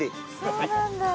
そうなんだ。